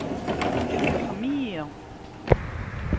Tkellxem-iyi.